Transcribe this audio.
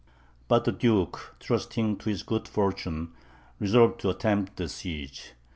But the duke, trusting to his good fortune, resolved to attempt the siege.